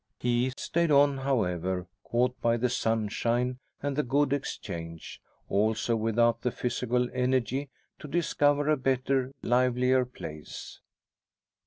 He stayed on, however, caught by the sunshine and the good exchange, also without the physical energy to discover a better, livelier place.